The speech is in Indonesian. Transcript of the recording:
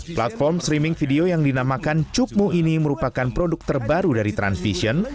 platform streaming video yang dinamakan cukmu ini merupakan produk terbaru dari transvision